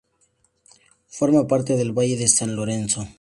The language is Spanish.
Forma parte del Valle de San Lorenzo.